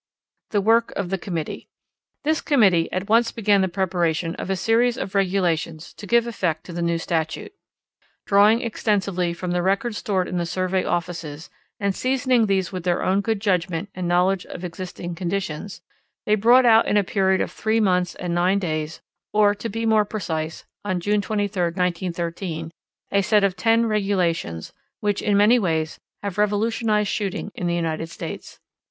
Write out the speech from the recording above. The Work of the Committee. This committee at once began the preparation of a series of regulations to give effect to the new statute. Drawing extensively from the records stored in the Survey offices, and seasoning these with their own good judgment and knowledge of existing conditions, they brought out in a period of three months and nine days, or to be more precise, on June 23, 1913, a set of ten regulations which, in many ways, have revolutionized shooting in the United States.